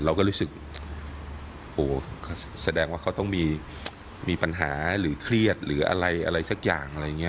เราก็รู้สึกโหแสดงว่าเขาต้องมีปัญหาหรือเครียดหรืออะไรอะไรสักอย่างอะไรอย่างนี้